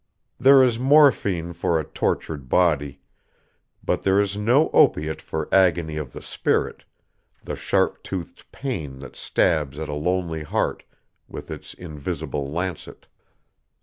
There is morphine for a tortured body, but there is no opiate for agony of the spirit, the sharp toothed pain that stabs at a lonely heart with its invisible lancet.